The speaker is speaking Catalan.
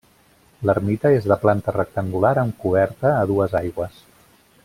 L'ermita és de planta rectangular amb coberta a dues aigües.